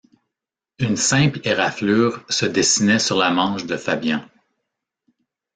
Une simple éraflure se dessinait sur la manche de Fabian.